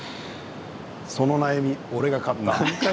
その悩み、俺が買った。